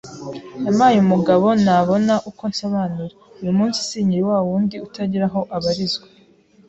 yampaye umugabo ntabona uko nsobanura, uyu munsi sinkiri wa wundi utagira aho abarizwa